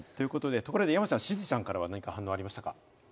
山ちゃん、しずちゃんからは反応ありましたか？